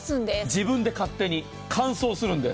自分で勝手に乾燥するんです。